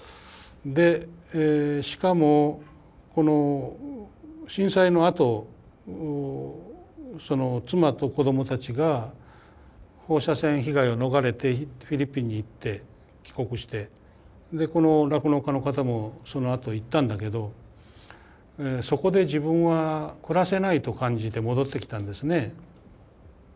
でしかもこの震災のあと妻と子どもたちが放射線被害を逃れてフィリピンに行って帰国してこの酪農家の方もそのあと行ったんだけどそこで自分は暮らせないと感じて戻ってきたんですね。